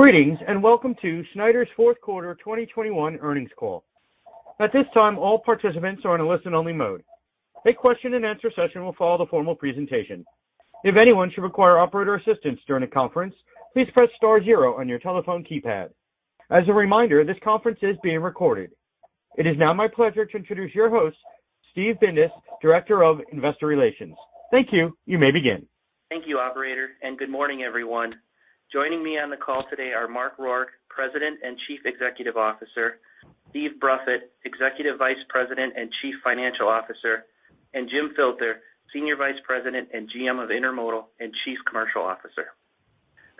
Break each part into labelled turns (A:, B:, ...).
A: Greetings, and welcome to Schneider's fourth quarter 2021 earnings call. At this time, all participants are in a listen-only mode. A question and answer session will follow the formal presentation. If anyone should require operator assistance during the conference, please press star zero on your telephone keypad. As a reminder, this conference is being recorded. It is now my pleasure to introduce your host, Steve Bindas, Director of Investor Relations. Thank you. You may begin.
B: Thank you operator, and good morning, everyone. Joining me on the call today are Mark Rourke, President and Chief Executive Officer, Steve Bruffett, Executive Vice President and Chief Financial Officer, and Jim Filter, Senior Vice President and GM of Intermodal and Chief Commercial Officer.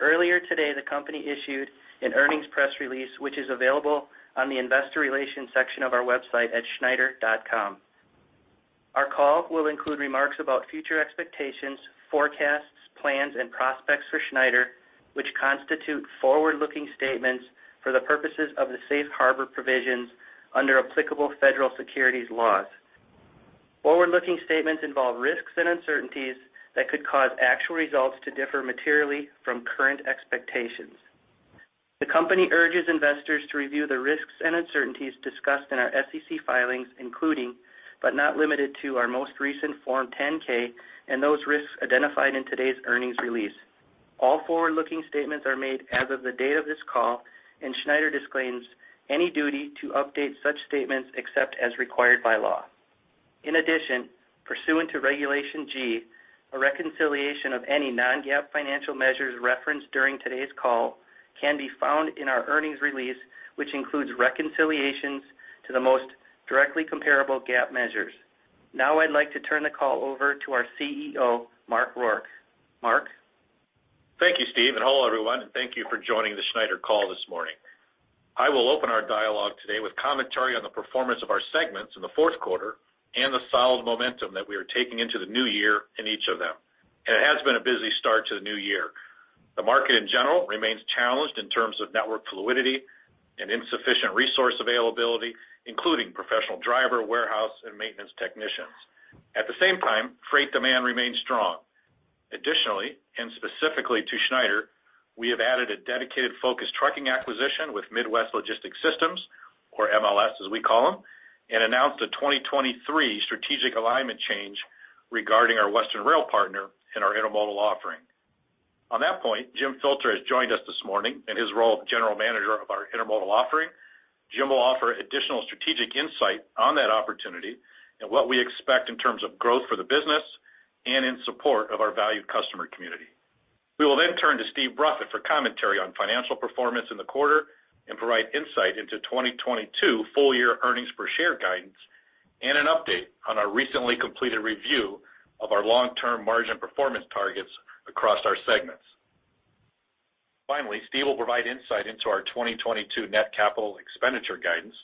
B: Earlier today, the company issued an earnings press release, which is available on the Investor Relations section of our website at schneider.com. Our call will include remarks about future expectations, forecasts, plans, and prospects for Schneider, which constitute forward-looking statements for the purposes of the safe harbor provisions under applicable federal securities laws. Forward-looking statements involve risks and uncertainties that could cause actual results to differ materially from current expectations. The company urges investors to review the risks and uncertainties discussed in our SEC filings, including, but not limited to, our most recent Form 10-K and those risks identified in today's earnings release. All forward-looking statements are made as of the date of this call, and Schneider disclaims any duty to update such statements except as required by law. In addition, pursuant to Regulation G, a reconciliation of any non-GAAP financial measures referenced during today's call can be found in our earnings release, which includes reconciliations to the most directly comparable GAAP measures. Now I'd like to turn the call over to our CEO, Mark Rourke. Mark?
C: Thank you, Steve, and hello, everyone, and thank you for joining the Schneider call this morning. I will open our dialogue today with commentary on the performance of our segments in the fourth quarter and the solid momentum that we are taking into the new year in each of them. It has been a busy start to the new year. The market in general remains challenged in terms of network fluidity and insufficient resource availability, including professional driver, warehouse, and maintenance technicians. At the same time, freight demand remains strong. Additionally, and specifically to Schneider, we have added a dedicated focused trucking acquisition with Midwest Logistics Systems, or MLS as we call them, and announced a 2023 strategic alignment change regarding our Western Rail partner and our Intermodal offering. On that point, Jim Filter has joined us this morning in his role of General Manager of our Intermodal offering. Jim will offer additional strategic insight on that opportunity and what we expect in terms of growth for the business and in support of our valued customer community. We will then turn to Steve Bruffett for commentary on financial performance in the quarter and provide insight into 2022 full year earnings per share guidance and an update on our recently completed review of our long-term margin performance targets across our segments. Finally, Steve will provide insight into our 2022 net capital expenditure guidance.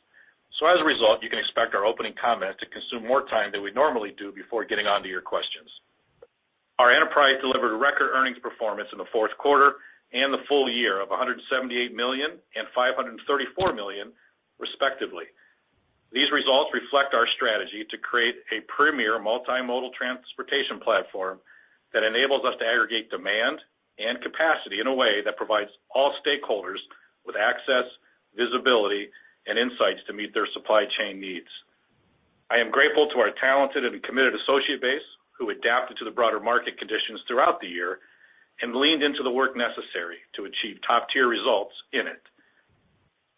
C: As a result, you can expect our opening comments to consume more time than we normally do before getting on to your questions. Our enterprise delivered record earnings performance in the fourth quarter and the full year of $178 million and $534 million, respectively. These results reflect our strategy to create a premier multimodal transportation platform that enables us to aggregate demand and capacity in a way that provides all stakeholders with access, visibility, and insights to meet their supply chain needs. I am grateful to our talented and committed associate base, who adapted to the broader market conditions throughout the year and leaned into the work necessary to achieve top-tier results in it.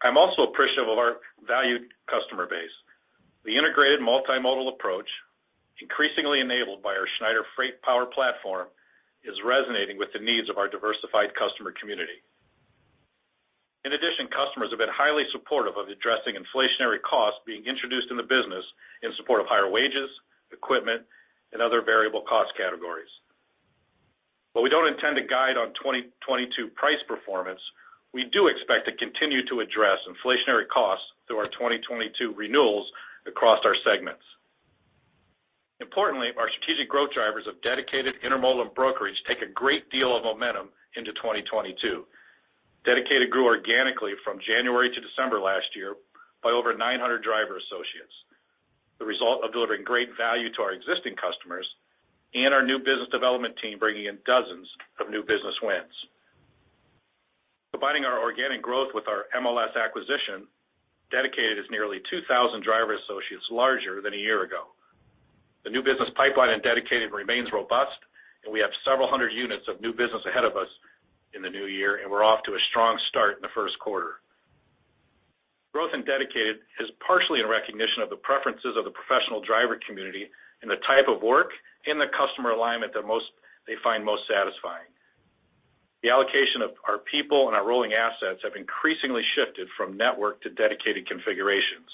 C: I'm also appreciative of our valued customer base. The integrated multimodal approach, increasingly enabled by our Schneider FreightPower platform, is resonating with the needs of our diversified customer community. In addition, customers have been highly supportive of addressing inflationary costs being introduced in the business in support of higher wages, equipment, and other variable cost categories. While we don't intend to guide on 2022 price performance, we do expect to continue to address inflationary costs through our 2022 renewals across our segments. Importantly, our strategic growth drivers of Dedicated, Intermodal, and Brokerage take a great deal of momentum into 2022. Dedicated grew organically from January to December last year by over 900 driver associates, the result of delivering great value to our existing customers and our new business development team bringing in dozens of new business wins. Combining our organic growth with our MLS acquisition, Dedicated is nearly 2,000 driver associates larger than a year ago. The new business pipeline in Dedicated remains robust, and we have several hundred units of new business ahead of us in the new year, and we're off to a strong start in the first quarter. Growth in Dedicated is partially in recognition of the preferences of the professional driver community and the type of work and the customer alignment that they find most satisfying. The allocation of our people and our rolling assets have increasingly shifted from network to dedicated configurations.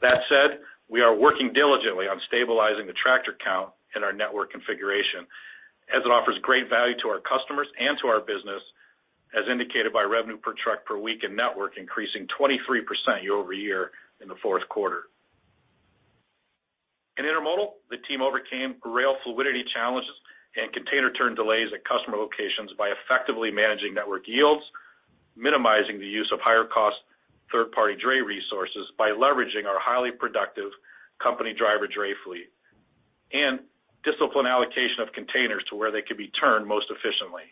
C: That said, we are working diligently on stabilizing the tractor count in our network configuration as it offers great value to our customers and to our business, as indicated by revenue per truck per week in network increasing 23% year-over-year in the fourth quarter. In Intermodal, the team overcame rail fluidity challenges and container turn delays at customer locations by effectively managing network yields, minimizing the use of higher cost third-party dray resources by leveraging our highly productive company driver dray fleet and disciplined allocation of containers to where they could be turned most efficiently.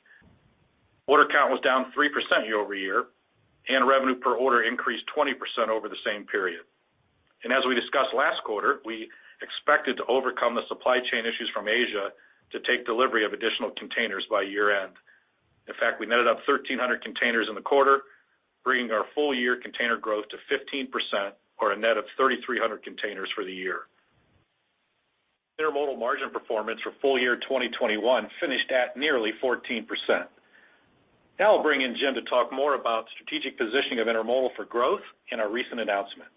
C: Order count was down 3% year-over-year, and revenue per order increased 20% over the same period. As we discussed last quarter, we expected to overcome the supply chain issues from Asia to take delivery of additional containers by year-end. In fact, we netted up 1,300 containers in the quarter, bringing our full year container growth to 15% or a net of 3,300 containers for the year. Intermodal margin performance for full year 2021 finished at nearly 14%. Now I'll bring in Jim to talk more about strategic positioning of Intermodal for growth and our recent announcement.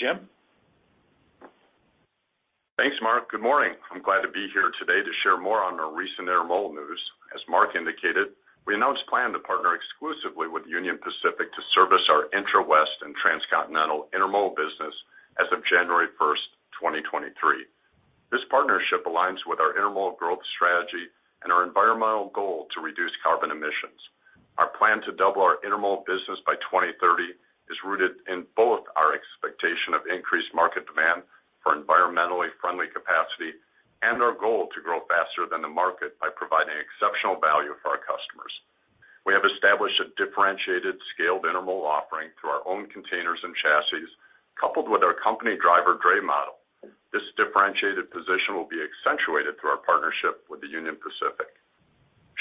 C: Jim?
D: Thanks, Mark. Good morning. I'm glad to be here today to share more on our recent Intermodal news. As Mark indicated, we announced plans to partner exclusively with Union Pacific to service our intra-west and transcontinental intermodal business as of January 1st, 2023. This partnership aligns with our intermodal growth strategy and our environmental goal to reduce carbon emissions. Our plan to double our intermodal business by 2030 is rooted in both our expectation of increased market demand for environmentally friendly capacity and our goal to grow faster than the market by providing exceptional value for our customers. We have established a differentiated scale intermodal offering through our own containers and chassis, coupled with our company driver dray model. This differentiated position will be accentuated through our partnership with Union Pacific.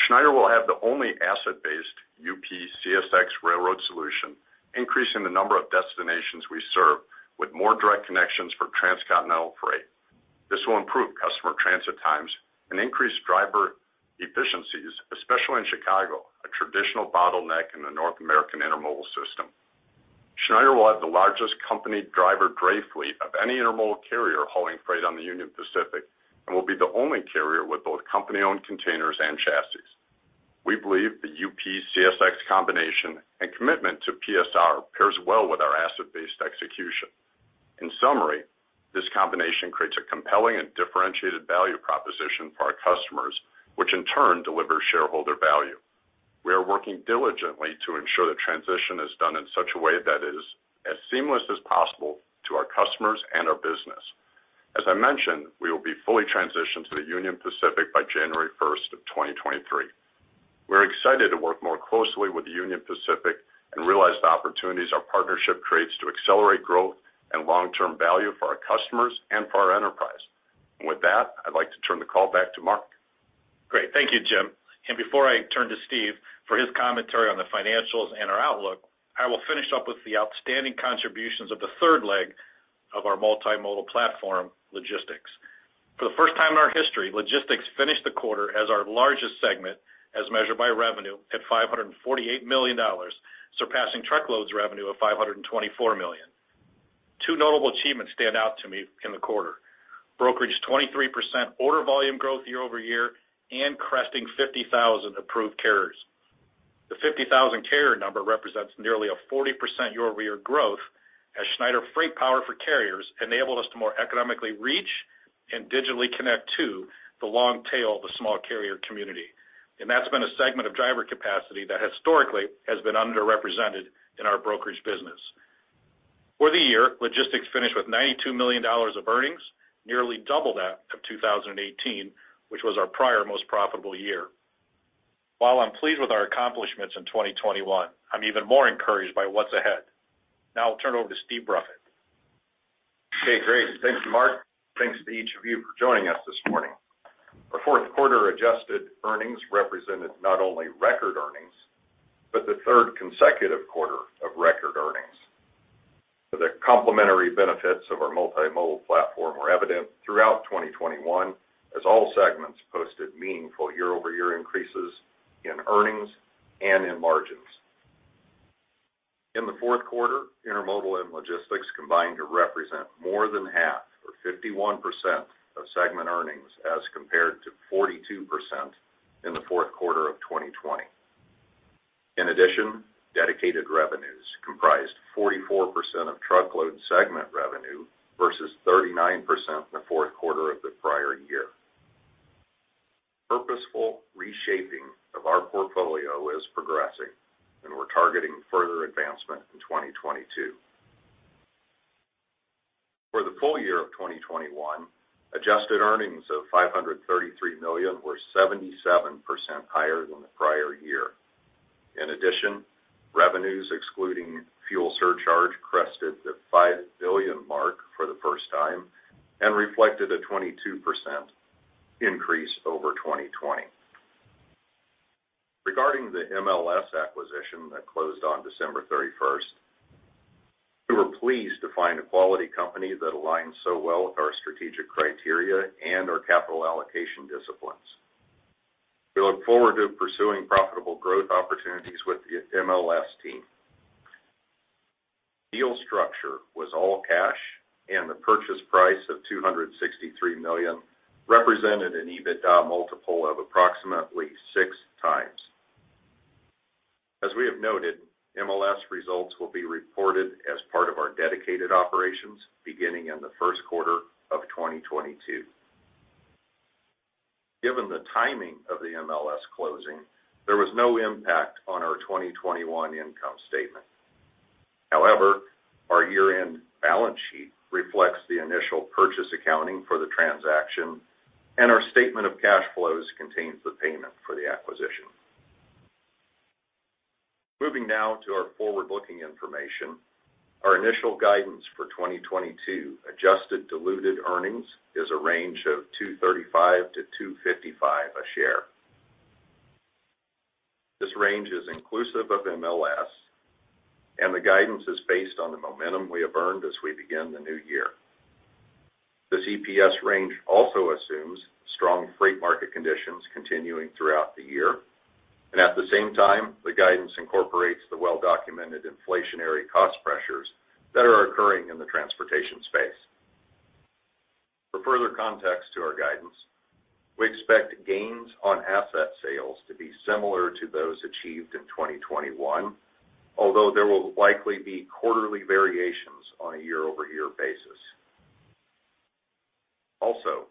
D: Schneider will have the only asset-based UP-CSX railroad solution, increasing the number of destinations we serve with more direct connections for transcontinental freight. This will improve customer transit times and increase driver efficiencies, especially in Chicago, a traditional bottleneck in the North American intermodal system. Schneider will have the largest company driver dray fleet of any intermodal carrier hauling freight on the Union Pacific and will be the only carrier with both company-owned containers and chassis. We believe the UP-CSX combination and commitment to PSR pairs well with our asset-based execution. In summary, this combination creates a compelling and differentiated value proposition for our customers, which in turn delivers shareholder value. We are working diligently to ensure the transition is done in such a way that is as seamless as possible to our customers and our business. As I mentioned, we will be fully transitioned to the Union Pacific by January 1st, 2023. We're excited to work more closely with the Union Pacific and realize the opportunities our partnership creates to accelerate growth and long-term value for our customers and for our enterprise. With that, I'd like to turn the call back to Mark.
C: Great. Thank you, Jim. Before I turn to Steve for his commentary on the financials and our outlook, I will finish up with the outstanding contributions of the third leg of our multimodal platform, Logistics. For the first time in our history, Logistics finished the quarter as our largest segment as measured by revenue at $548 million, surpassing Truckload revenue of $524 million. Two notable achievements stand out to me in the quarter. Brokerage, 23% order volume growth year-over-year and cresting 50,000 approved carriers. The 50,000 carrier number represents nearly a 40% year-over-year growth as Schneider FreightPower for carriers enabled us to more economically reach and digitally connect to the long tail of the small carrier community. That's been a segment of driver capacity that historically has been underrepresented in our brokerage business. For the year, Logistics finished with $92 million of earnings, nearly double that of 2018, which was our prior most profitable year. While I'm pleased with our accomplishments in 2021, I'm even more encouraged by what's ahead. Now I'll turn it over to Steve Bruffett.
E: Okay, great. Thanks, Mark. Thanks to each of you for joining us this morning. Our fourth quarter adjusted earnings represented not only record earnings, but the third consecutive quarter of record earnings. The complementary benefits of our multimodal platform were evident throughout 2021 as all segments posted meaningful year-over-year increases in earnings and in margins. In the fourth quarter, Intermodal and Logistics combined to represent more than half or 51% of segment earnings as compared to 42% in the fourth quarter of 2020. In addition, Dedicated revenues comprised 44% of Truckload segment revenue versus 39% in the fourth quarter of the prior year. Purposeful reshaping of our portfolio is progressing, and we're targeting further advancement in 2022. For the full year of 2021, adjusted earnings of $533 million were 77% higher than the prior year. In addition, revenues excluding fuel surcharge crested the $5 billion mark for the first time and reflected a 22% increase over 2020. Regarding the MLS acquisition that closed on December 31st, we were pleased to find a quality company that aligns so well with our strategic criteria and our capital allocation disciplines. We look forward to pursuing profitable growth opportunities with the MLS team. Deal structure was all cash, and the purchase price of $263 million represented an EBITDA multiple of approximately 6x. As we have noted, MLS results will be reported as part of our dedicated operations beginning in the first quarter of 2022. Given the timing of the MLS closing, there was no impact on our 2021 income statement. However, our year-end balance sheet reflects the initial purchase accounting for the transaction, and our statement of cash flows contains the payment for the acquisition. Moving now to our forward-looking information. Our initial guidance for 2022 adjusted diluted earnings is a range of $2.35-$2.55 a share. This range is inclusive of MLS, and the guidance is based on the momentum we have earned as we begin the new year. This EPS range also assumes strong freight market conditions continuing throughout the year. At the same time, the guidance incorporates the well-documented inflationary cost pressures that are occurring in the transportation space. For further context to our guidance, we expect gains on asset sales to be similar to those achieved in 2021, although there will likely be quarterly variations on a year-over-year basis.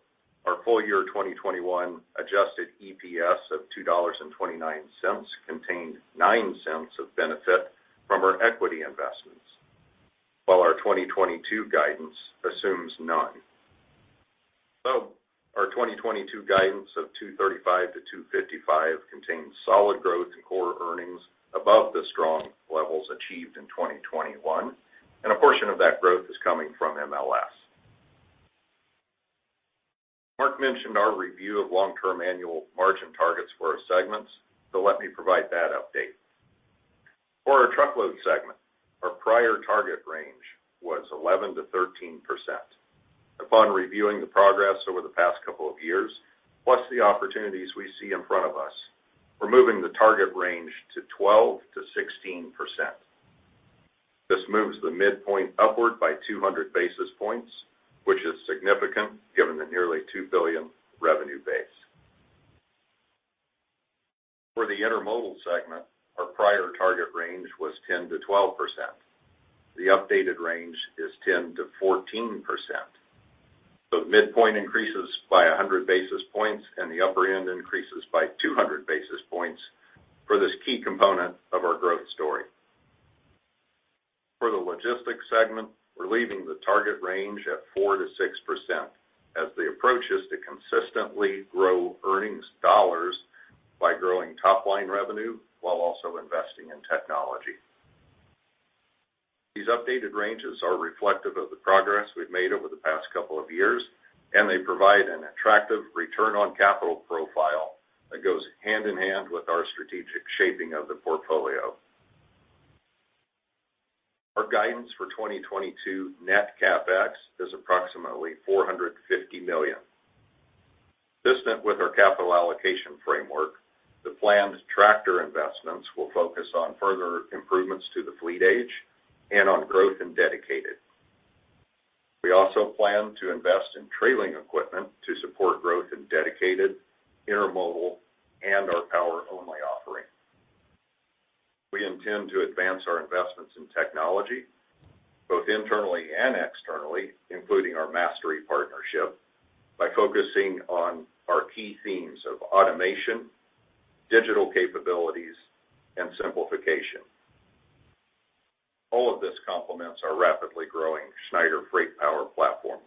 E: Our full year 2021 adjusted EPS of $2.29 contained $0.09 of benefit from our equity investments, while our 2022 guidance assumes none. Our 2022 guidance of $2.35-$2.55 contains solid growth in core earnings above the strong levels achieved in 2021, and a portion of that growth is coming from MLS. Mark mentioned our review of long-term annual margin targets for our segments. Let me provide that update. For our Truckload segment, our prior target range was 11%-13%. Upon reviewing the progress over the past couple of years, plus the opportunities we see in front of us, we're moving the target range to 12%-16%. This moves the midpoint upward by 200 basis points, which is significant given the nearly $2 billion revenue base. For the Intermodal segment, our prior target range was 10%-12%. The updated range is 10%-14%. The midpoint increases by 100 basis points, and the upper end increases by 200 basis points for this key component of our growth story. For the logistics segment, we're leaving the target range at 4%-6% as the approach is to consistently grow earnings dollars by growing top-line revenue while also investing in technology. These updated ranges are reflective of the progress we've made over the past couple of years, and they provide an attractive return on capital profile that goes hand in hand with our strategic shaping of the portfolio. Our guidance for 2022 net CapEx is approximately $450 million. Consistent with our capital allocation framework, the planned tractor investments will focus on further improvements to the fleet age and on growth in dedicated. We also plan to invest in trailing equipment to support growth in dedicated, Intermodal, and our Power Only offering. We intend to advance our investments in technology, both internally and externally, including our Mastery partnership, by focusing on our key themes of automation, digital capabilities, and simplification. All of this complements our rapidly growing Schneider FreightPower platform.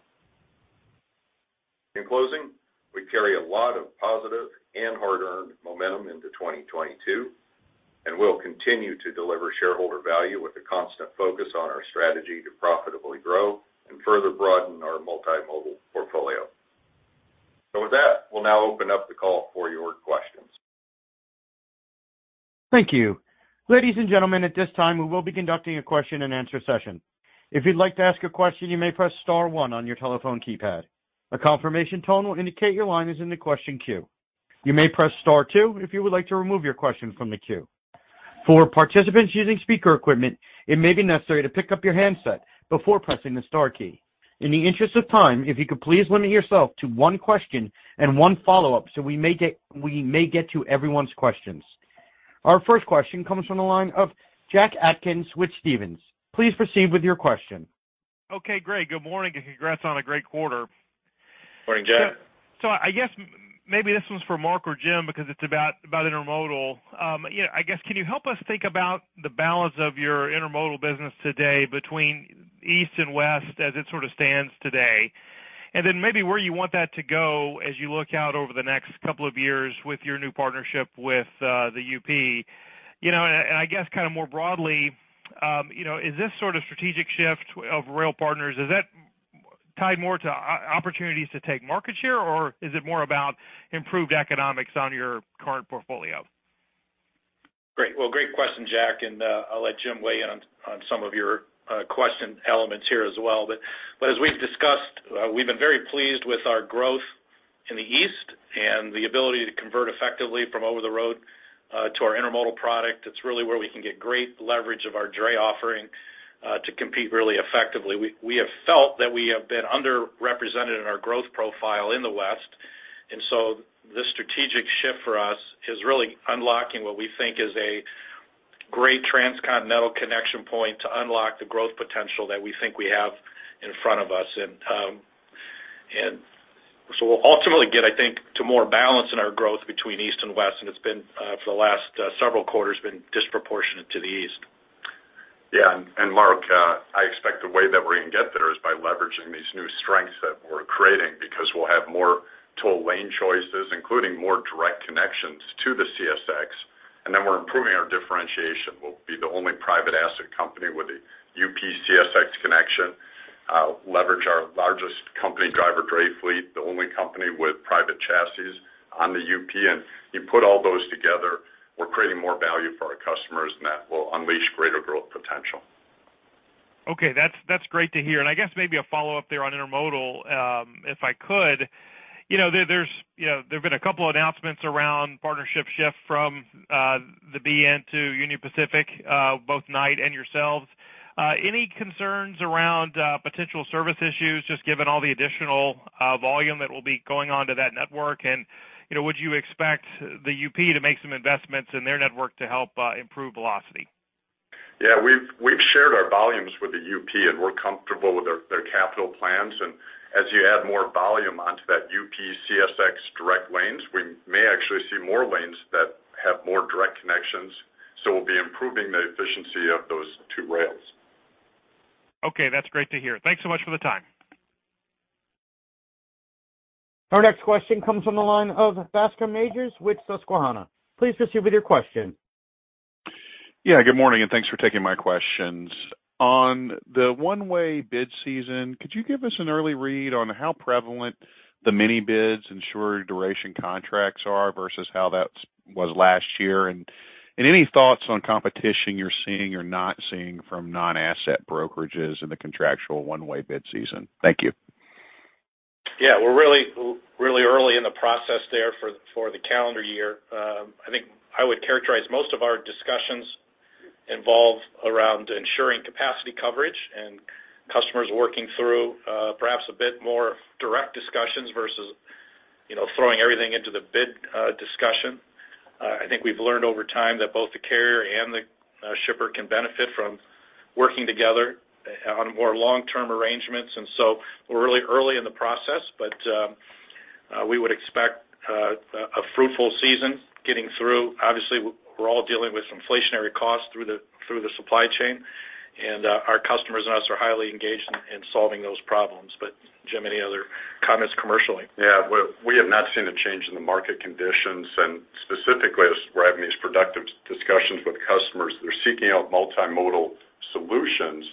E: In closing, we carry a lot of positive and hard-earned momentum into 2022, and we'll continue to deliver shareholder value with a constant focus on our strategy to profitably grow and further broaden our multimodal portfolio. With that, we'll now open up the call for your questions.
A: Thank you. Ladies and gentlemen, at this time, we will be conducting a question-and-answer session. If you'd like to ask a question, you may press star one on your telephone keypad. A confirmation tone will indicate your line is in the question queue. You may press star two if you would like to remove your question from the queue. For participants using speaker equipment, it may be necessary to pick up your handset before pressing the star key. In the interest of time, if you could please limit yourself to one question and one follow-up, so we may get to everyone's questions. Our first question comes from the line of Jack Atkins with Stephens. Please proceed with your question.
F: Okay, great. Good morning, and congrats on a great quarter.
C: Morning, Jack.
F: I guess maybe this one's for Mark or Jim because it's about intermodal. Yeah, I guess, can you help us think about the balance of your intermodal business today between East and West as it sort of stands today? And then maybe where you want that to go as you look out over the next couple of years with your new partnership with the UP. You know, and I guess kind of more broadly, you know, is this sort of strategic shift of rail partners, is that tied more to opportunities to take market share, or is it more about improved economics on your current portfolio?
C: Great. Well, great question, Jack, and I'll let Jim weigh in on some of your question elements here as well. As we've discussed, we've been very pleased with our growth in the East and the ability to convert effectively from over the road to our intermodal product. It's really where we can get great leverage of our dray offering to compete really effectively. We have felt that we have been underrepresented in our growth profile in the West. This strategic shift for us is really unlocking what we think is a Great transcontinental connection point to unlock the growth potential that we think we have in front of us. We'll ultimately get, I think, to more balance in our growth between East and West, and it's been for the last several quarters disproportionate to the East.
D: Yeah. Mark, I expect the way that we're gonna get there is by leveraging these new strengths that we're creating because we'll have more toll lane choices, including more direct connections to the CSX, and then we're improving our differentiation. We'll be the only private asset company with the UP-CSX connection, leverage our largest company driver dray fleet, the only company with private chassis on the UP. You put all those together, we're creating more value for our customers, and that will unleash greater growth potential.
F: Okay. That's great to hear. I guess maybe a follow-up there on intermodal, if I could. You know, there've been a couple announcements around partnership shift from the BN to Union Pacific, both Knight and yourselves. Any concerns around potential service issues, just given all the additional volume that will be going on to that network? You know, would you expect the UP to make some investments in their network to help improve velocity?
D: Yeah. We've shared our volumes with the UP, and we're comfortable with their capital plans. As you add more volume onto that UP-CSX direct lanes, we may actually see more lanes that have more direct connections, so we'll be improving the efficiency of those two rails.
F: Okay, that's great to hear. Thanks so much for the time.
A: Our next question comes from the line of Bascome Majors with Susquehanna. Please proceed with your question.
G: Yeah. Good morning, and thanks for taking my questions. On the one-way bid season, could you give us an early read on how prevalent the mini-bids and shorter duration contracts are versus how that was last year? Any thoughts on competition you're seeing or not seeing from non-asset brokerages in the contractual one-way bid season? Thank you.
C: Yeah. We're really early in the process there for the calendar year. I think I would characterize most of our discussions involve around ensuring capacity coverage and customers working through perhaps a bit more direct discussions versus, you know, throwing everything into the bid discussion. I think we've learned over time that both the carrier and the shipper can benefit from working together on more long-term arrangements. We're really early in the process, but we would expect a fruitful season getting through. Obviously, we're all dealing with inflationary costs through the supply chain, and our customers and us are highly engaged in solving those problems. Jim, any other comments commercially?
D: Yeah. We have not seen a change in the market conditions. Specifically, as we're having these productive discussions with customers, they're seeking out multimodal solutions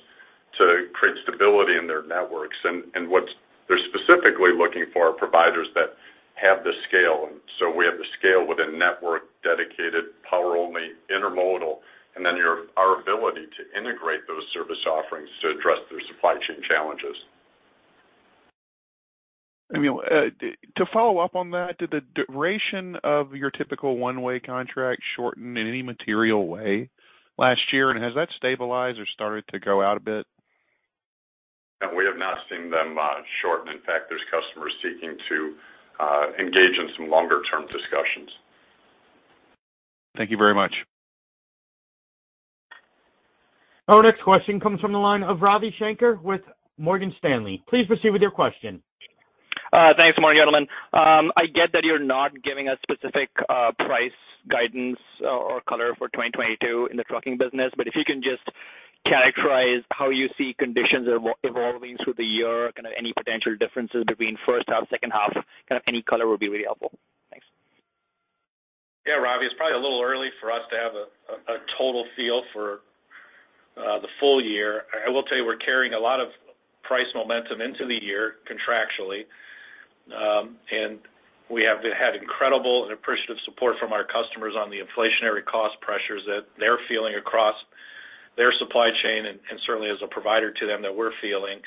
D: to create stability in their networks. And what they're specifically looking for are providers that have the scale, and so we have the scale with a network dedicated Power Only intermodal, and then our ability to integrate those service offerings to address their supply chain challenges.
G: I mean, to follow up on that, did the duration of your typical one-way contract shorten in any material way last year? Has that stabilized or started to go out a bit?
D: No, we have not seen them shorten. In fact, there's customers seeking to engage in some longer-term discussions.
G: Thank you very much.
A: Our next question comes from the line of Ravi Shanker with Morgan Stanley. Please proceed with your question.
H: Thanks. Good morning, gentlemen. I get that you're not giving us specific price guidance or color for 2022 in the trucking business, but if you can just characterize how you see conditions evolving through the year, kind of any potential differences between first half, second half, kind of any color would be really helpful. Thanks.
C: Yeah, Ravi. It's probably a little early for us to have a total feel for the full year. I will tell you, we're carrying a lot of price momentum into the year contractually. We have had incredible and appreciative support from our customers on the inflationary cost pressures that they're feeling across their supply chain and certainly as a provider to them that we're feeling.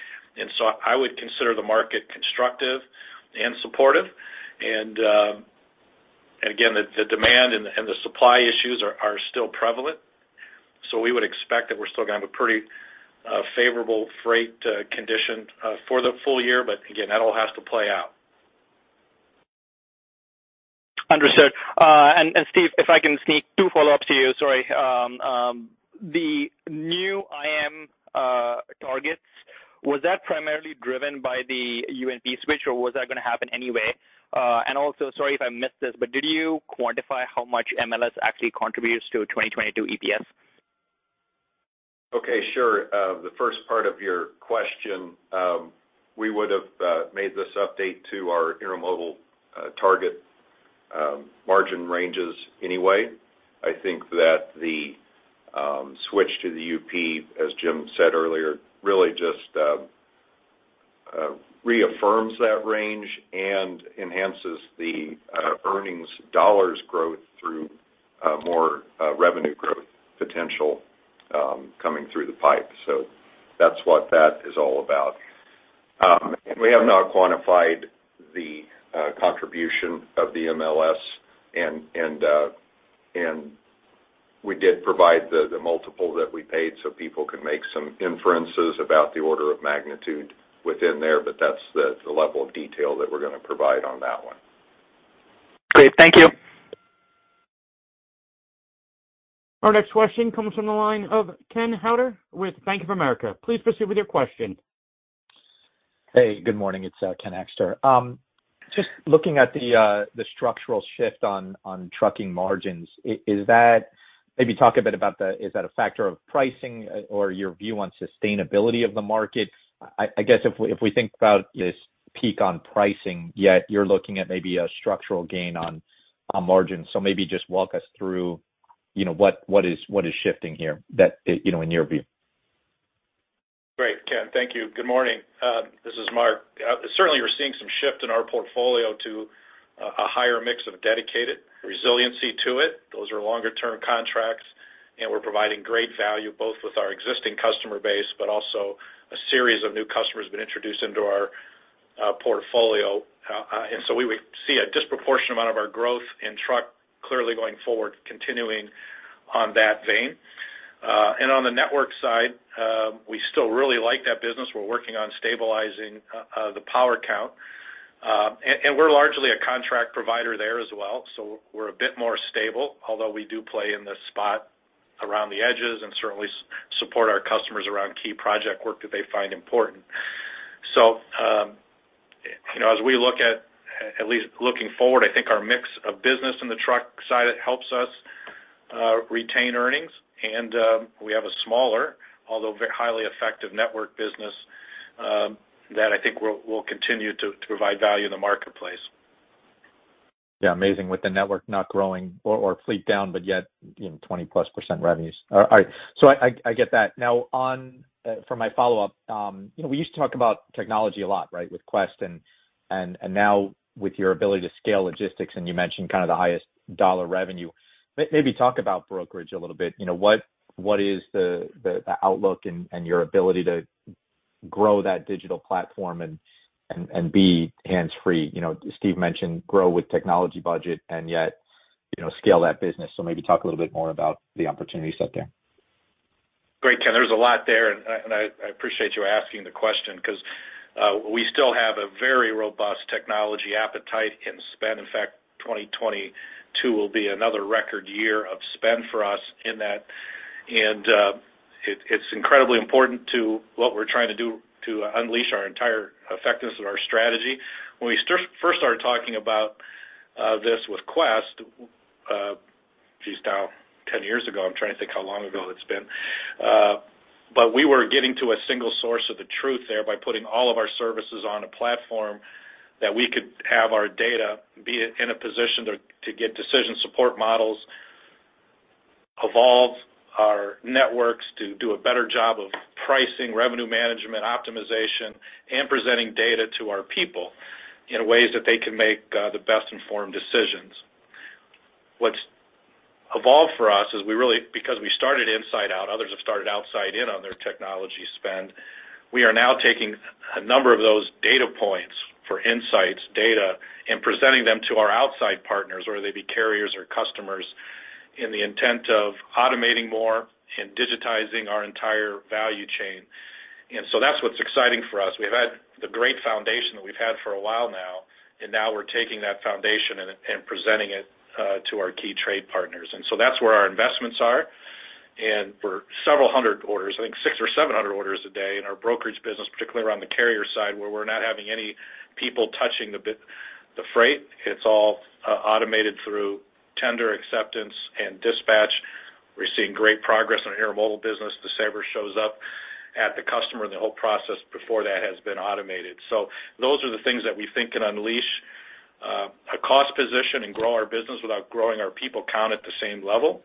C: I would consider the market constructive and supportive. Again, the demand and the supply issues are still prevalent. We would expect that we're still gonna have a pretty favorable freight condition for the full year. Again, that all has to play out.
H: Understood. Steve, if I can sneak 2 follow-ups to you, sorry. The new IM targets, was that primarily driven by the UNP switch, or was that gonna happen anyway? Also, sorry if I missed this, but did you quantify how much MLS actually contributes to 2022 EPS?
E: Okay, sure. The first part of your question, we would have made this update to our intermodal target margin ranges anyway. I think that the switch to the UP, as Jim said earlier, really just reaffirms that range and enhances the earnings dollars growth through more revenue growth potential coming through the pipe. That's what that is all about. We have not quantified the contribution of the MLS, and we did provide the multiple that we paid so people can make some inferences about the order of magnitude within there, but that's the level of detail that we're gonna provide on that one.
H: Great. Thank you.
A: Our next question comes from the line of Ken Hoexter with Bank of America. Please proceed with your question.
I: Hey, good morning. It's Ken Hoexter. Just looking at the structural shift on trucking margins, is that a factor of pricing or your view on sustainability of the market? I guess if we think about this peak on pricing, yet you're looking at maybe a structural gain on margins. Maybe just walk us through, you know, what is shifting here that, you know, in your view.
C: Great, Ken. Thank you. Good morning. This is Mark. Certainly, we're seeing some shift in our portfolio to a higher mix of dedicated resiliency to it. Those are longer-term contracts, and we're providing great value, both with our existing customer base, but also a series of new customers we've been introduced into our portfolio. We would see a disproportionate amount of our growth in truck clearly going forward, continuing on that vein. On the network side, we still really like that business. We're working on stabilizing the power count. We're largely a contract provider there as well, so we're a bit more stable, although we do play in the spot around the edges and certainly support our customers around key project work that they find important. you know, as we look at least looking forward, I think our mix of business in the truck side helps us retain earnings. We have a smaller, although very highly effective network business, that I think will continue to provide value in the marketplace.
I: Yeah, amazing. With the network not growing or fleet down, but yet, you know, 20%+ revenues. All right. I get that. Now, on for my follow-up, you know, we used to talk about technology a lot, right, with Quest and now with your ability to scale logistics, and you mentioned kind of the highest dollar revenue. Maybe talk about brokerage a little bit. You know, what is the outlook and your ability to grow that digital platform and be hands-free? You know, Steve mentioned grow with technology budget and yet, you know, scale that business. Maybe talk a little bit more about the opportunity set there.
C: Great, Ken. There's a lot there, and I appreciate you asking the question because we still have a very robust technology appetite and spend. In fact, 2022 will be another record year of spend for us in that. It's incredibly important to what we're trying to do to unleash our entire effectiveness of our strategy. When we first started talking about this with Quest, now ten years ago, I'm trying to think how long ago it's been. We were getting to a single source of the truth there by putting all of our services on a platform that we could have our data be in a position to get decision support models, evolve our networks to do a better job of pricing, revenue management, optimization, and presenting data to our people in ways that they can make the best informed decisions. What's evolved for us is we really because we started inside out, others have started outside in on their technology spend. We are now taking a number of those data points for insights data and presenting them to our outside partners, whether they be carriers or customers, in the intent of automating more and digitizing our entire value chain. That's what's exciting for us. We've had the great foundation that we've had for a while now, and now we're taking that foundation and presenting it to our key trade partners. That's where our investments are. For several hundred orders, I think 600 or 700 orders a day in our brokerage business, particularly around the carrier side, where we're not having any people touching the freight, it's all automated through tender acceptance and dispatch. We're seeing great progress on our mobile business. The driver shows up at the customer, and the whole process before that has been automated. Those are the things that we think can unleash a cost position and grow our business without growing our people count at the same level.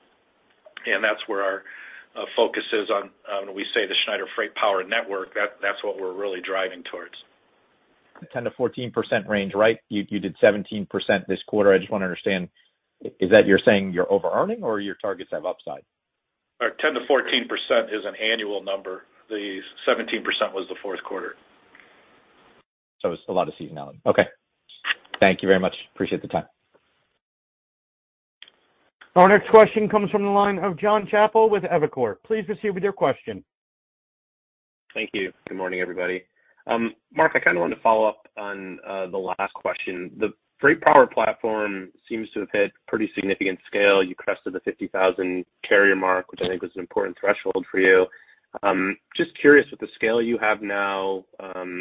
C: That's where our focus is on. We say the Schneider FreightPower network, that's what we're really driving towards.
I: 10%-14% range, right? You did 17% this quarter. I just want to understand, is that you're saying you're overearning or your targets have upside?
C: 10%-14% is an annual number. The 17% was the fourth quarter.
I: It's a lot of seasonality. Okay. Thank you very much. I appreciate the time.
A: Our next question comes from the line of Jon Chappell with Evercore. Please proceed with your question.
J: Thank you. Good morning, everybody. Mark, I kinda wanted to follow up on the last question. The FreightPower platform seems to have hit pretty significant scale. You crested the 50,000 carrier mark, which I think was an important threshold for you. Just curious, with the scale you have now,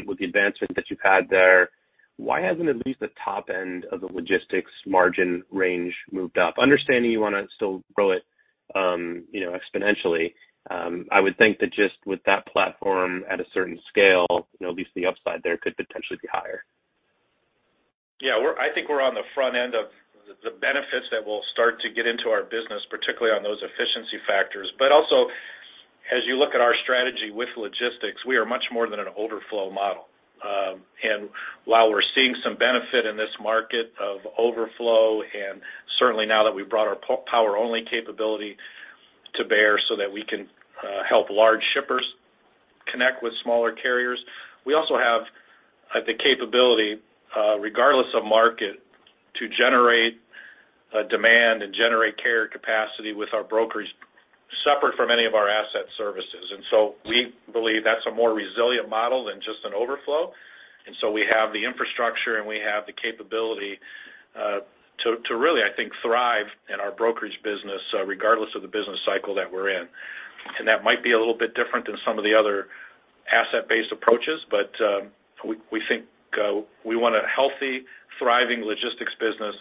J: with the advancements that you've had there, why hasn't at least the top end of the Logistics margin range moved up? Understanding you wanna still grow it, you know, exponentially. I would think that just with that platform at a certain scale, you know, at least the upside there could potentially be higher.
C: Yeah. I think we're on the front end of the benefits that will start to get into our business, particularly on those efficiency factors. Also, as you look at our strategy with logistics, we are much more than an overflow model. While we're seeing some benefit in this market of overflow, and certainly now that we've brought our Power Only capability to bear so that we can help large shippers connect with smaller carriers, we also have the capability, regardless of market, to generate demand and generate carrier capacity with our brokers separate from any of our asset services. We believe that's a more resilient model than just an overflow. We have the infrastructure, and we have the capability to really, I think, thrive in our brokerage business, regardless of the business cycle that we're in. That might be a little bit different than some of the other asset-based approaches, but we think we want a healthy, thriving Logistics business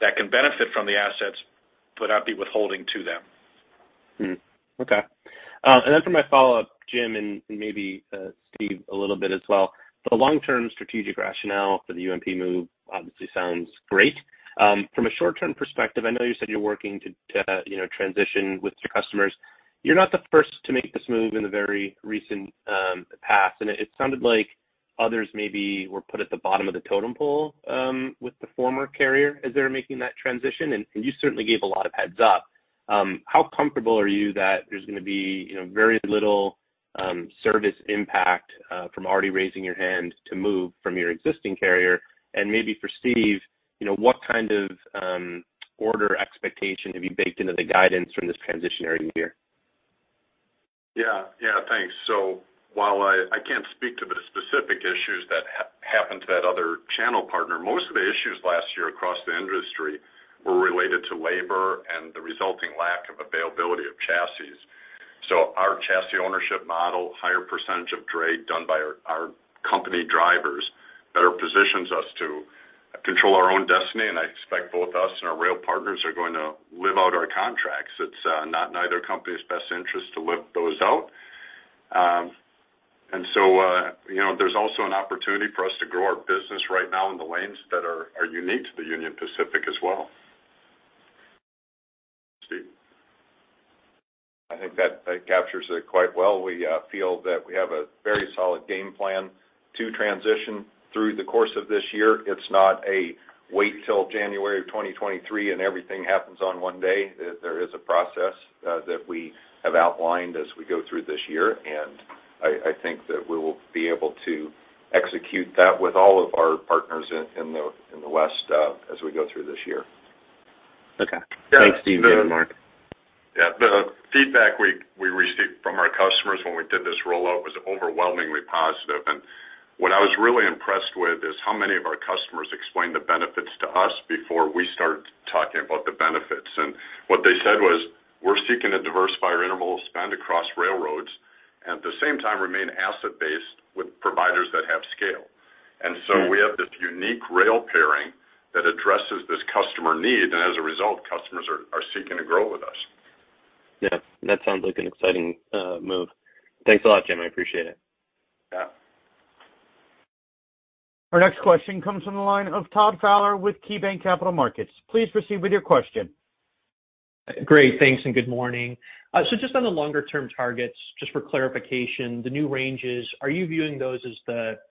C: that can benefit from the assets without being beholden to them.
J: Okay. For my follow-up, Jim, and maybe Steve a little bit as well. The long-term strategic rationale for the UP move obviously sounds great. From a short-term perspective, I know you said you're working to you know, transition with your customers. You're not the first to make this move in the very recent past, and it sounded like others maybe were put at the bottom of the totem pole with the former carrier as they were making that transition. You certainly gave a lot of heads-up. How comfortable are you that there's gonna be you know, very little service impact from already raising your hand to move from your existing carrier? Maybe for Steve, you know, what kind of order expectation have you baked into the guidance from this transition area here?
D: Thanks. While I can't speak to the specific issues that happened to that other channel partner, most of the issues last year across the industry were related to labor and the resulting lack of availability of chassis. Our chassis ownership model, higher percentage of dray done by our company drivers better positions us to control our own destiny, and I expect both us and our rail partners are going to live out our contracts. It's not in either company's best interest to live those out. You know, there's also an opportunity for us to grow our business right now in the lanes that are unique to the Union Pacific as well. Steve?
E: I think that captures it quite well. We feel that we have a very solid game plan to transition through the course of this year. It's not wait till January of 2023, and everything happens on one day. There is a process that we have outlined as we go through this year, and I think that we will be able to execute that with all of our partners in the West as we go through this year.
J: Okay. Thanks, Steve. Maybe Mark.
D: Yeah. The feedback we received from our customers when we did this rollout was overwhelmingly positive. What I was really impressed with is how many of our customers explained the benefits to us before we start talking about the benefits. What they said was, "We're seeking to diversify our intermodal spend across railroads, and at the same time remain asset-based with providers that have scale." We have this unique rail pairing that addresses this customer need. As a result, customers are seeking to grow with us.
J: Yeah. That sounds like an exciting move. Thanks a lot, Jim. I appreciate it.
E: Yeah.
A: Our next question comes from the line of Todd Fowler with KeyBanc Capital Markets. Please proceed with your question.
K: Great. Thanks, and good morning. So just on the longer term targets, just for clarification, the new ranges, are you viewing those as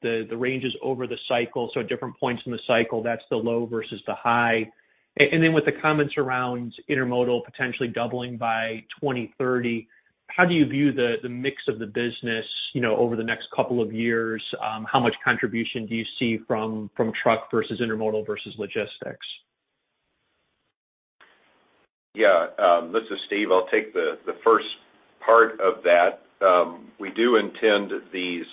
K: the ranges over the cycle, so at different points in the cycle, that's the low versus the high? And then with the comments around Intermodal potentially doubling by 2030, how do you view the mix of the business, you know, over the next couple of years? How much contribution do you see from truck versus Intermodal versus Logistics?
E: Yeah. This is Steve. I'll take the first part of that. We do intend these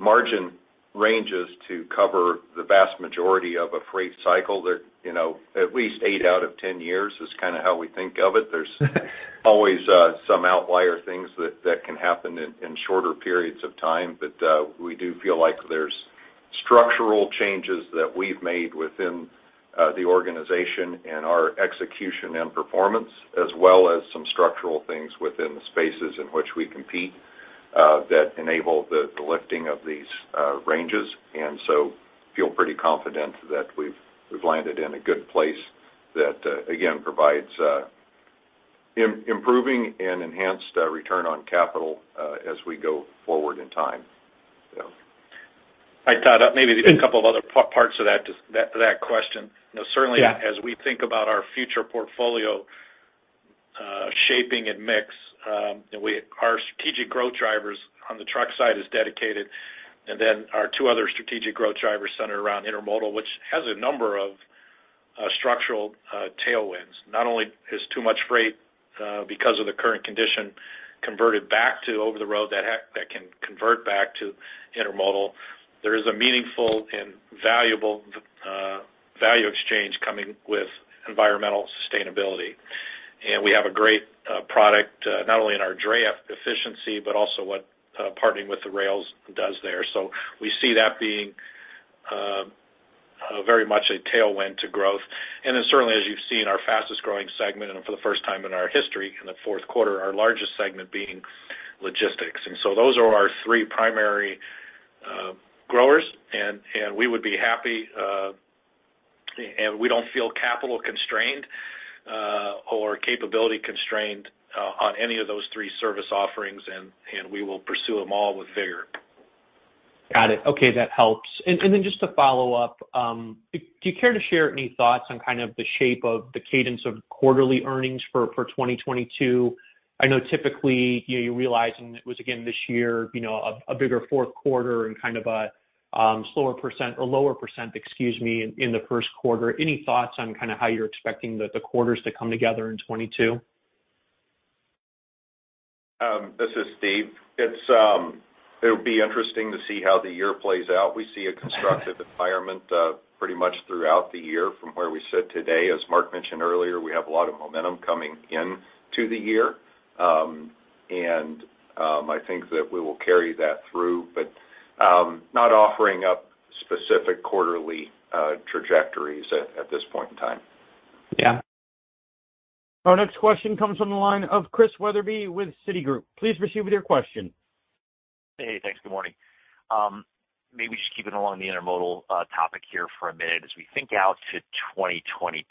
E: margin ranges to cover the vast majority of a freight cycle that, you know, at least 8 out of 10 years is kinda how we think of it. There's always some outlier things that can happen in shorter periods of time. We do feel like there's structural changes that we've made within the organization and our execution and performance, as well as some structural things within the spaces in which we compete that enable the lifting of these ranges. Feel pretty confident that we've landed in a good place that again provides improving and enhanced return on capital as we go forward in time.
C: Hi, Todd. Maybe just a couple of other parts to that question. You know, certainly.
K: Yeah
C: As we think about our future portfolio, shaping and mix, and our strategic growth drivers on the truck side is Dedicated. Our two other strategic growth drivers center around Intermodal, which has a number of structural tailwinds. Not only is too much freight because of the current condition converted back to over-the-road that can convert back to Intermodal, there is a meaningful and valuable value exchange coming with environmental sustainability. We have a great product not only in our dray efficiency, but also what partnering with the rails does there. We see that being very much a tailwind to growth. Certainly, as you've seen our fastest growing segment, and for the first time in our history, in the fourth quarter, our largest segment being Logistics. Those are our three primary growers, and we would be happy, and we don't feel capital constrained or capability constrained on any of those three service offerings, and we will pursue them all with vigor.
K: Got it. Okay, that helps. Just to follow up, do you care to share any thoughts on kind of the shape of the cadence of quarterly earnings for 2022? I know typically you're realizing it was again this year, you know, a bigger fourth quarter and kind of a slower percent or lower percent, excuse me, in the first quarter. Any thoughts on kind of how you're expecting the quarters to come together in 2022?
E: This is Steve. It'll be interesting to see how the year plays out. We see a constructive environment pretty much throughout the year from where we sit today. As Mark mentioned earlier, we have a lot of momentum coming into the year. I think that we will carry that through. Not offering up specific quarterly trajectories at this point in time.
K: Yeah.
A: Our next question comes from the line of Chris Wetherbee with Citigroup. Please proceed with your question.
L: Hey, thanks. Good morning. Maybe just keeping along the intermodal topic here for a minute as we think out to 2022.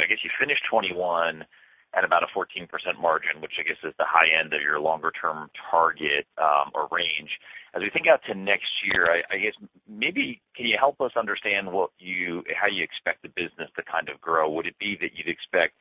L: I guess you finished 2021 at about a 14% margin, which I guess is the high end of your longer term target or range. As we think out to next year, I guess maybe can you help us understand how you expect the business to kind of grow? Would it be that you'd expect,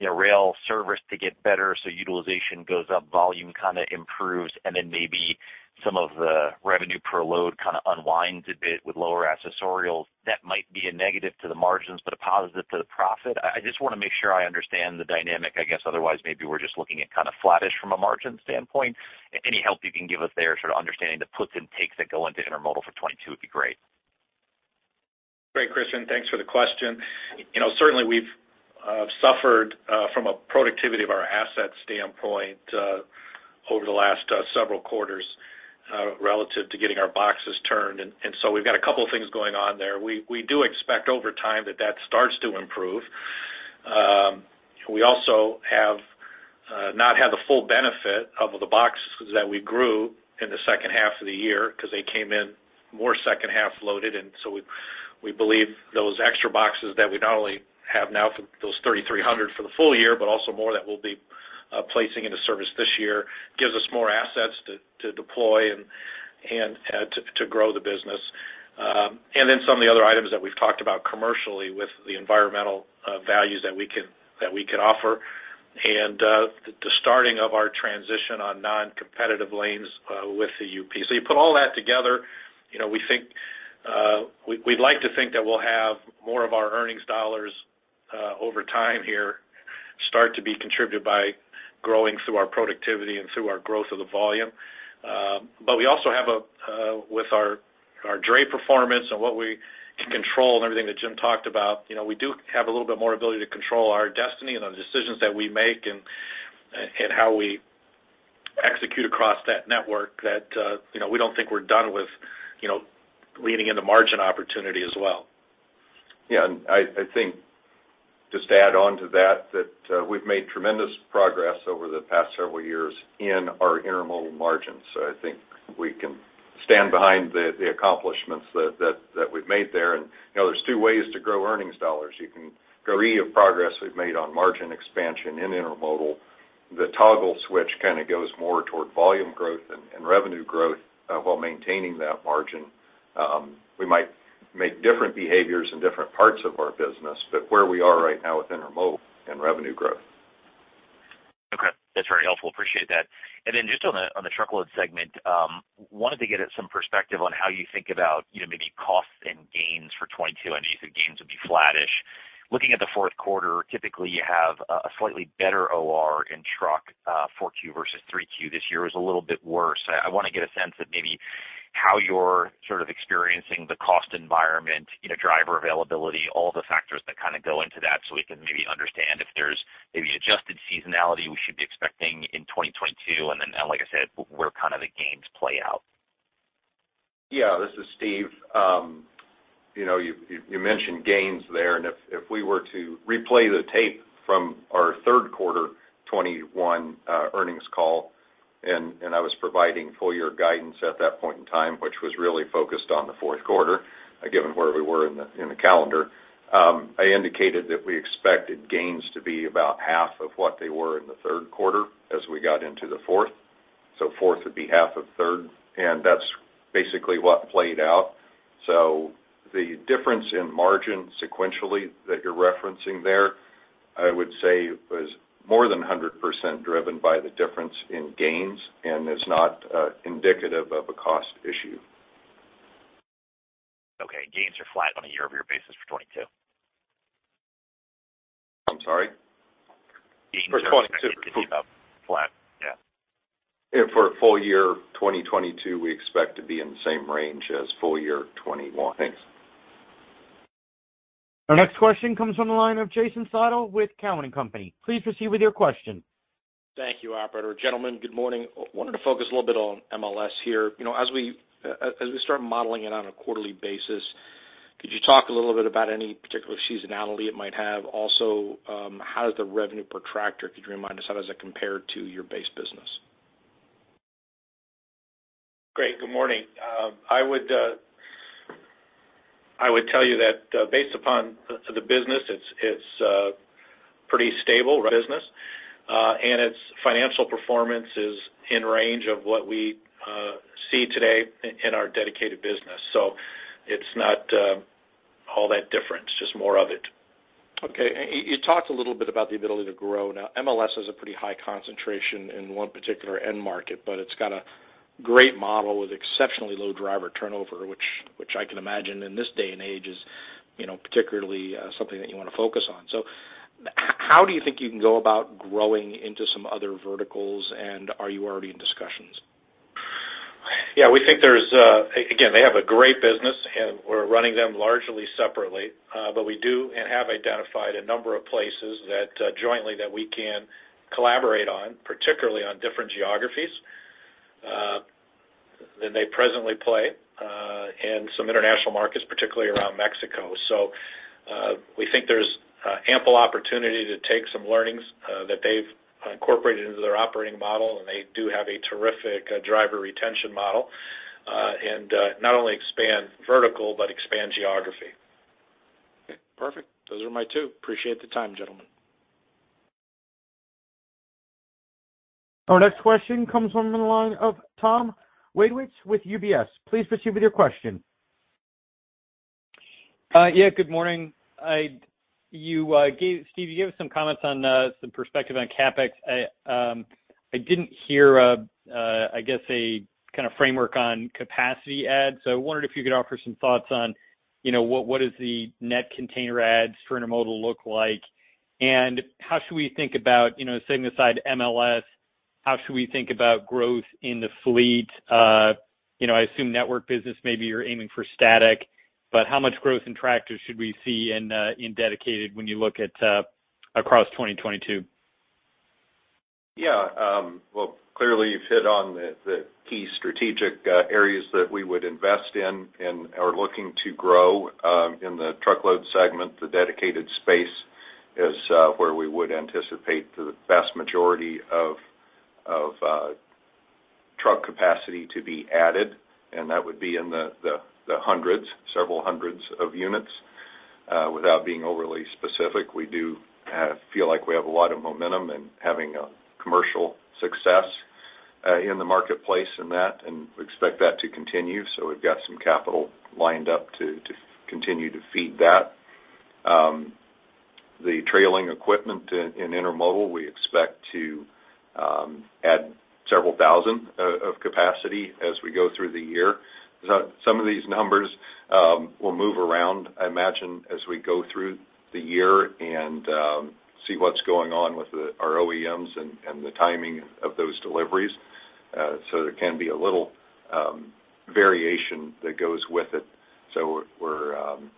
L: you know, rail service to get better, so utilization goes up, volume kind of improves, and then maybe some of the revenue per load kind of unwinds a bit with lower accessorials? That might be a negative to the margins, but a positive to the profit. I just wanna make sure I understand the dynamic. I guess otherwise, maybe we're just looking at kind of flattish from a margin standpoint. Any help you can give us there, sort of understanding the puts and takes that go into Intermodal for 2022 would be great.
C: Great, Christian. Thanks for the question. You know, certainly we've suffered from a productivity of our asset standpoint over the last several quarters relative to getting our boxes turned. We've got a couple things going on there. We do expect over time that that starts to improve. We also have not had the full benefit of the boxes that we grew in the second half of the year because they came in more second half loaded. We believe those extra boxes that we not only have now for those 3,300 for the full year, but also more that we'll be placing into service this year, gives us more assets to deploy and to grow the business. some of the other items that we've talked about commercially with the environmental values that we can offer. The starting of our transition on non-competitive lanes with the UP. You put all that together, you know, we think we'd like to think that we'll have more of our earnings dollars over time here start to be contributed by growing through our productivity and through our growth of the volume. We also have with our dray performance and what we can control and everything that Jim talked about, you know, we do have a little bit more ability to control our destiny and the decisions that we make and how we execute across that network that, you know, we don't think we're done with, you know, leaning into margin opportunity as well.
E: Yeah. I think just to add on to that, we've made tremendous progress over the past several years in our Intermodal margins. I think we can stand behind the accomplishments that we've made there. You know, there's two ways to grow earnings dollars. You can grow either progress we've made on margin expansion in Intermodal. The toggle switch kind of goes more toward volume growth and revenue growth while maintaining that margin. We might make different behaviors in different parts of our business, but where we are right now with intermodal and revenue growth.
L: Okay. That's very helpful. Appreciate that. Then just on the Truckload segment, wanted to get some perspective on how you think about, you know, maybe costs and gains for 2022. I know you said gains would be flattish. Looking at the fourth quarter, typically you have a slightly better OR in truck, 4Q versus 3Q. This year was a little bit worse. I wanna get a sense of maybe how you're sort of experiencing the cost environment, you know, driver availability, all the factors that kind of go into that, so we can maybe understand if there's maybe adjusted seasonality we should be expecting in 2022. Like I said, where kind of the gains play out.
E: Yeah. This is Steve. You know, you mentioned gains there, and if we were to replay the tape from our third quarter 2021 earnings call, and I was providing full year guidance at that point in time, which was really focused on the fourth quarter, given where we were in the calendar, I indicated that we expected gains to be about half of what they were in the third quarter as we got into the fourth. Fourth would be half of third, and that's basically what played out. The difference in margin sequentially that you're referencing there, I would say was more than 100% driven by the difference in gains and is not indicative of a cost issue.
L: Okay. Gains are flat on a year-over-year basis for 2022.
E: I'm sorry.
L: Gains are expected to be about flat. Yeah.
E: Yeah. For full year 2022, we expect to be in the same range as full year 2021.
L: Thanks.
A: Our next question comes from the line of Jason Seidl with Cowen & Company. Please proceed with your question.
M: Thank you, operator. Gentlemen, good morning. I wanted to focus a little bit on MLS here. You know, as we start modeling it on a quarterly basis, could you talk a little bit about any particular seasonality it might have? Also, how does the revenue per tractor, could you remind us, how does that compare to your base business?
C: Great. Good morning. I would tell you that, based upon the business, it's pretty stable business. Its financial performance is in range of what we see today in our Dedicated business. It's not All that difference, just more of it.
M: Okay. You talked a little bit about the ability to grow. Now, MLS has a pretty high concentration in one particular end market, but it's got a great model with exceptionally low driver turnover, which I can imagine in this day and age is, you know, particularly something that you wanna focus on. How do you think you can go about growing into some other verticals, and are you already in discussions?
C: Yeah, we think there's. Again, they have a great business, and we're running them largely separately. We do and have identified a number of places that jointly that we can collaborate on, particularly on different geographies than they presently play, and some international markets, particularly around Mexico. We think there's ample opportunity to take some learnings that they've incorporated into their operating model, and they do have a terrific driver retention model, and not only expand vertical but expand geography.
M: Okay. Perfect. Those are my two. Appreciate the time, gentlemen.
A: Our next question comes from the line of Tom Wadewitz with UBS. Please proceed with your question.
N: Yeah, good morning. Steve, you gave us some comments on some perspective on CapEx. I didn't hear a kind of framework on capacity adds, so I wondered if you could offer some thoughts on, you know, what the net container adds for Intermodal look like. How should we think about, you know, setting aside MLS, how should we think about growth in the fleet? You know, I assume network business, maybe you're aiming for static, but how much growth in tractors should we see in Dedicated when you look at across 2022?
E: Yeah. Well, clearly you've hit on the key strategic areas that we would invest in and are looking to grow in the Truckload segment. The dedicated space is where we would anticipate the vast majority of truck capacity to be added, and that would be in the hundreds, several hundreds of units. Without being overly specific, we do feel like we have a lot of momentum and having a commercial success in the marketplace in that, and we expect that to continue, so we've got some capital lined up to continue to feed that. The trailer equipment in Intermodal, we expect to add several thousand of capacity as we go through the year. Some of these numbers will move around, I imagine, as we go through the year and see what's going on with our OEMs and the timing of those deliveries. There can be a little variation that goes with it. We're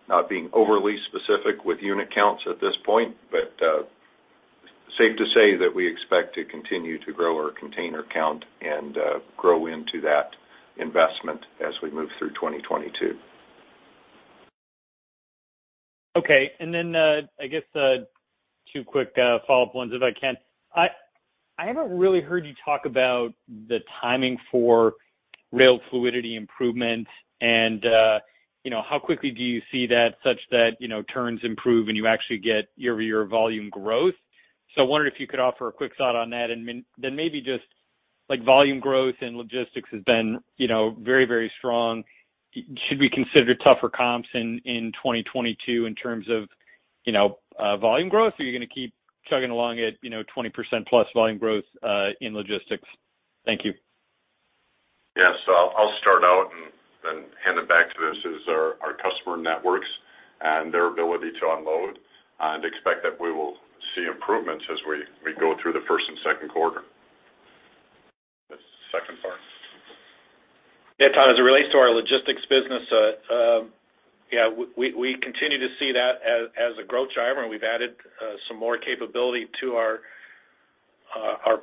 E: not being overly specific with unit counts at this point, but safe to say that we expect to continue to grow our container count and grow into that investment as we move through 2022.
N: Okay. I guess two quick follow-up ones if I can. I haven't really heard you talk about the timing for rail fluidity improvements and you know, how quickly do you see that such that you know, turns improve and you actually get year-over-year volume growth. I wondered if you could offer a quick thought on that. Maybe just, like, volume growth in Logistics has been you know, very, very strong. Should we consider tougher comps in 2022 in terms of you know, volume growth? Are you gonna keep chugging along at you know, 20%+ volume growth in Logistics? Thank you.
D: Yes. I'll start out and then hand it back. This is our customer networks and their ability to unload, and we expect that we will see improvements as we go through the first and second quarter. The second part.
C: Yeah, Tom, as it relates to our Logistics business, we continue to see that as a growth driver, and we've added some more capability to our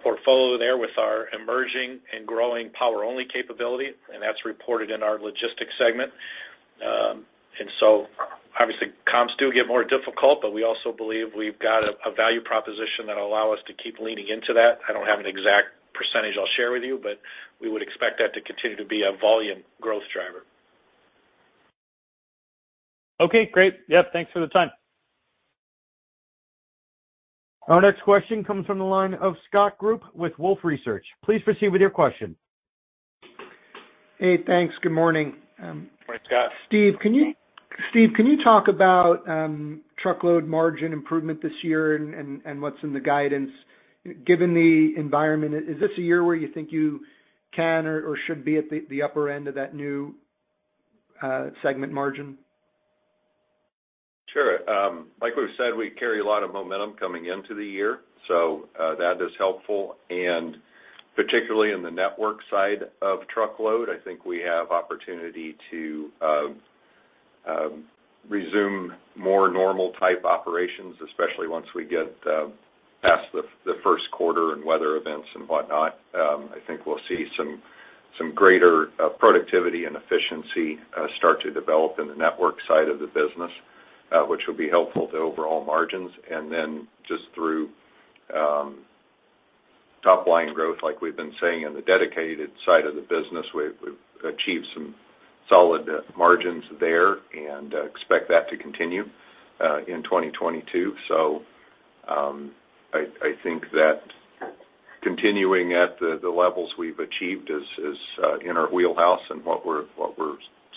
C: portfolio there with our emerging and growing Power Only capability, and that's reported in our Logistics segment. Obviously comps do get more difficult, but we also believe we've got a value proposition that'll allow us to keep leaning into that. I don't have an exact percentage I'll share with you, but we would expect that to continue to be a volume growth driver.
N: Okay, great. Yeah, thanks for the time.
A: Our next question comes from the line of Scott Group with Wolfe Research. Please proceed with your question.
O: Hey, thanks. Good morning.
E: Morning, Scott.
O: Steve, can you talk about truckload margin improvement this year and what's in the guidance? Given the environment, is this a year where you think you can or should be at the upper end of that new segment margin?
E: Sure. Like we've said, we carry a lot of momentum coming into the year, so that is helpful. Particularly in the network side of Truckload, I think we have opportunity to resume more normal type operations, especially once we get past the first quarter and weather events and whatnot. I think we'll see some greater productivity and efficiency start to develop in the network side of the business, which will be helpful to overall margins. Then just through top line growth, like we've been seeing in the Dedicated side of the business, we've achieved some solid margins there and expect that to continue in 2022. I think that continuing at the levels we've achieved is in our wheelhouse and what we're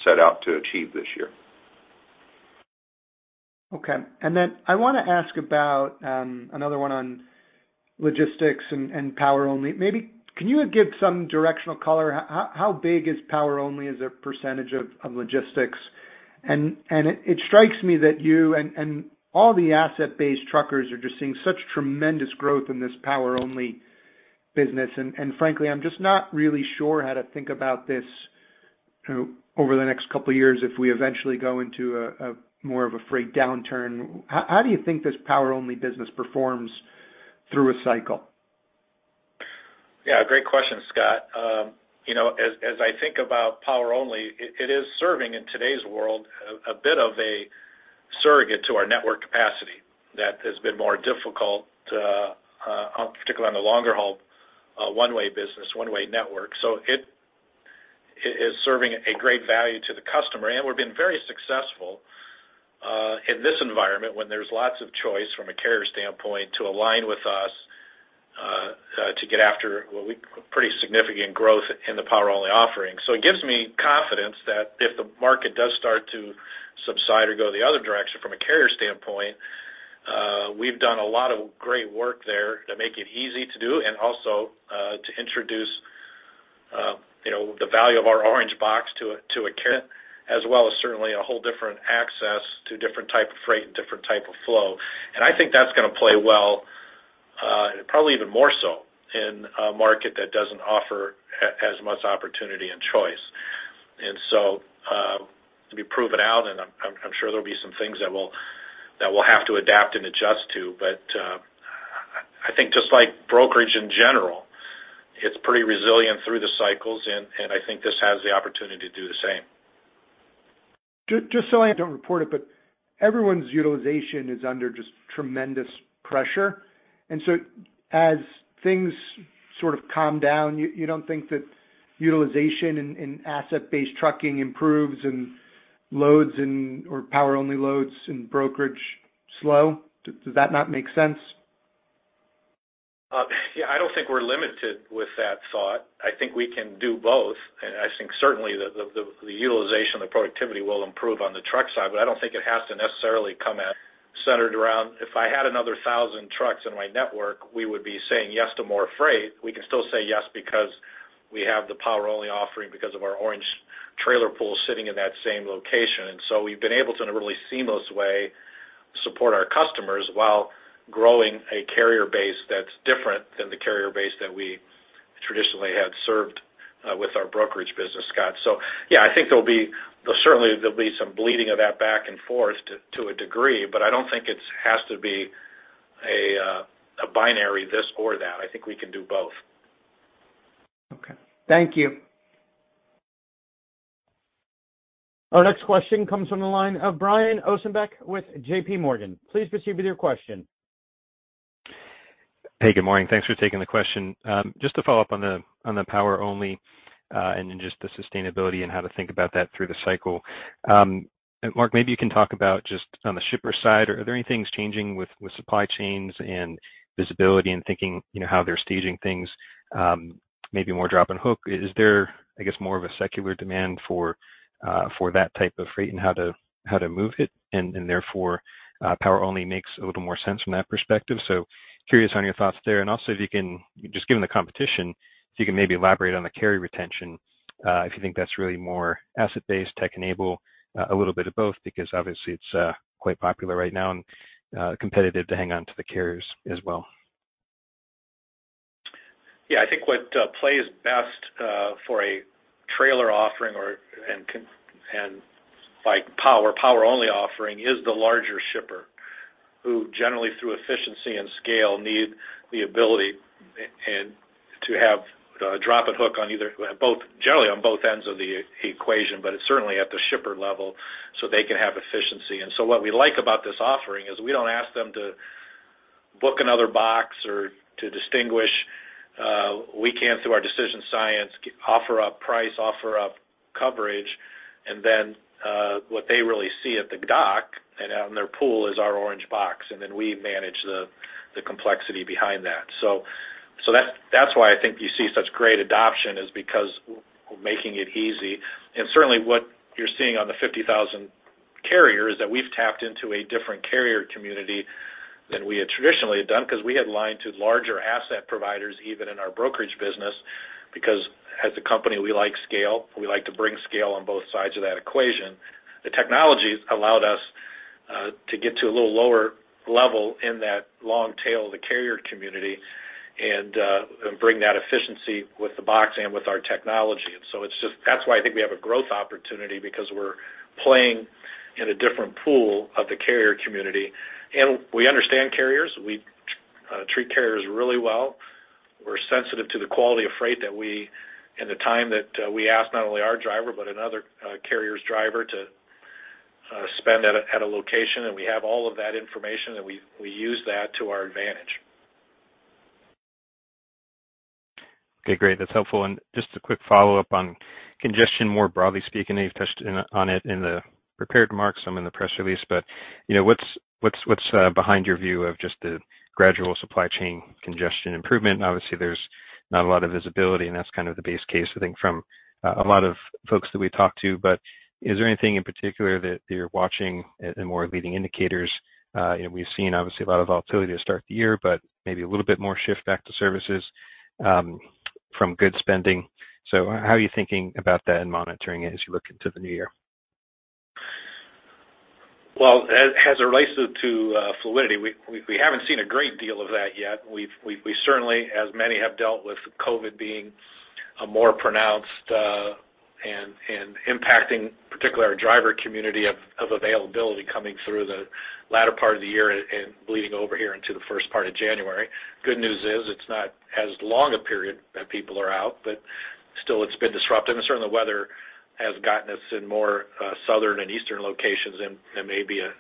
E: set out to achieve this year.
O: Okay. I wanna ask about another one on Logistics and Power Only. Maybe can you give some directional color? How big is Power Only as a percentage of logistics? It strikes me that you and all the asset-based truckers are just seeing such tremendous growth in this Power Only business. Frankly, I'm just not really sure how to think about this, you know, over the next couple years if we eventually go into a more of a freight downturn. How do you think this Power Only business performs through a cycle?
C: Yeah, great question, Scott. You know, as I think about Power Only, it is serving in today's world a bit of a surrogate to our network capacity that has been more difficult, particularly on the longer haul, one-way business, one-way network. It is serving a great value to the customer, and we've been very successful in this environment when there's lots of choice from a carrier standpoint to align with us, pretty significant growth in the Power Only offering. It gives me confidence that if the market does start to subside or go the other direction from a carrier standpoint, we've done a lot of great work there to make it easy to do and also to introduce, you know, the value of our orange box to a carrier, as well as certainly a whole different access to different type of freight and different type of flow. I think that's gonna play well, and probably even more so in a market that doesn't offer as much opportunity and choice. To be proven out, and I'm sure there'll be some things that we'll have to adapt and adjust to, but I think just like brokerage in general, it's pretty resilient through the cycles and I think this has the opportunity to do the same.
O: Just so I don't report it, but everyone's utilization is under just tremendous pressure. As things sort of calm down, you don't think that utilization in asset-based trucking improves and loads and/or Power Only loads and brokerage slow? Does that not make sense?
C: Yeah, I don't think we're limited with that thought. I think we can do both, and I think certainly the utilization, the productivity will improve on the truck side, but I don't think it has to necessarily come at centered around if I had another thousand trucks in my network, we would be saying yes to more freight. We can still say yes because we have the Power Only offering because of our orange trailer pool sitting in that same location. We've been able to, in a really seamless way, support our customers while growing a carrier base that's different than the carrier base that we traditionally had served, with our brokerage business, Scott. Yeah, I think there'll certainly be some bleeding of that back and forth to a degree, but I don't think it has to be a binary this or that. I think we can do both.
O: Okay. Thank you.
A: Our next question comes from the line of Brian Ossenbeck with JP Morgan. Please proceed with your question.
P: Hey, good morning. Thanks for taking the question. Just to follow up on the Power Only, and then just the sustainability and how to think about that through the cycle. Mark, maybe you can talk about just on the shipper side. Are there any things changing with supply chains and visibility and thinking, you know, how they're staging things, maybe more drop and hook? Is there, I guess, more of a secular demand for that type of freight and how to move it, and therefore Power Only makes a little more sense from that perspective? Curious on your thoughts there. If you can, just given the competition, if you can maybe elaborate on the carrier retention, if you think that's really more asset-based, tech-enabled, a little bit of both, because obviously it's quite popular right now and competitive to hang on to the carriers as well.
C: Yeah. I think what plays best for a trailer offering or and container and by Power Only offering is the larger shipper who generally through efficiency and scale need the ability and to have drop and hook on either both, generally on both ends of the equation, but it's certainly at the shipper level so they can have efficiency. What we like about this offering is we don't ask them to book another box or to distinguish, we can through our decision science offer a price, offer up coverage, and then what they really see at the dock and out in their pool is our orange box, and then we manage the complexity behind that. That's why I think you see such great adoption is because we're making it easy. Certainly what you're seeing on the 50,000 carrier is that we've tapped into a different carrier community than we had traditionally done, 'cause we had lined to larger asset providers even in our brokerage business because as a company we like scale. We like to bring scale on both sides of that equation. The technologies allowed us to get to a little lower level in that long tail of the carrier community and bring that efficiency with the box and with our technology. It's just, that's why I think we have a growth opportunity because we're playing in a different pool of the carrier community. We understand carriers. We treat carriers really well. We're sensitive to the quality of freight and the time that we ask not only our driver but another carrier's driver to spend at a location, and we have all of that information, and we use that to our advantage.
P: Okay, great. That's helpful. Just a quick follow-up on congestion, more broadly speaking. I know you've touched on it in the prepared remarks, some in the press release. You know, what's behind your view of just the gradual supply chain congestion improvement? Obviously, there's not a lot of visibility, and that's kind of the base case, I think, from a lot of folks that we talk to. Is there anything in particular that you're watching in more leading indicators? You know, we've seen obviously a lot of volatility to start the year, but maybe a little bit more shift back to services from goods spending. How are you thinking about that and monitoring it as you look into the new year?
C: Well, as it relates to fluidity, we haven't seen a great deal of that yet. We've certainly, as many have dealt with COVID being a more pronounced and impacting particularly our driver community of availability coming through the latter part of the year and bleeding over here into the first part of January. Good news is it's not as long a period that people are out, but still it's been disruptive. Certainly, weather has gotten us in more southern and eastern locations than maybe a